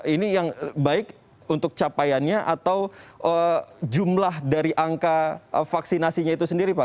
ini yang baik untuk capaiannya atau jumlah dari angka vaksinasinya itu sendiri pak